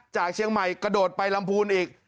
จากเชียงใหม่กระโดดไปลำพูนอีก